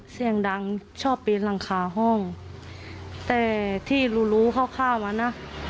เสียงดังชอบปีนหลังคาห้องแต่ที่รู้รู้คร่าวอ่ะนะ